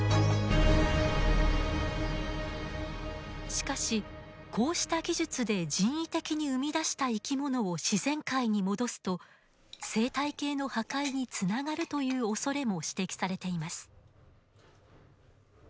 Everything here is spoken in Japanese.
しかしこうした技術で人為的に生み出した生き物を自然界に戻すと生態系の破壊につながるというおそれも指摘されています。